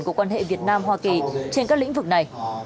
của quan hệ việt nam hoa kỳ trên các lĩnh vực này